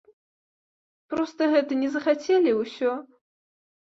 Проста гэта не захацелі і ўсё.